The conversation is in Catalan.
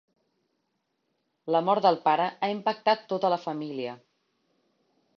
La mort del pare ha impactat tota la família.